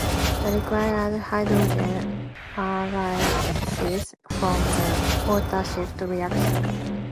The required hydrogen arises from the water shift reaction.